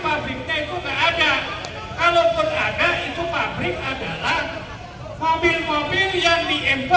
aku tahu ada satu orang yang exhale